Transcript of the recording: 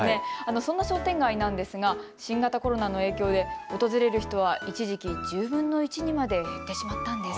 その商店街なんですが新型コロナの影響で訪れる人は一時期１０分の１にまで減ってしまったんです。